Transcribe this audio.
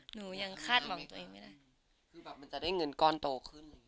หนูยังคาดหวังตัวเองไม่ได้คือแบบมันจะได้เงินก้อนโตขึ้น